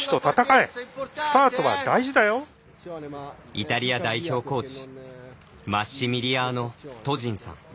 イタリア代表コーチマッシミリアーノ・トジンさん。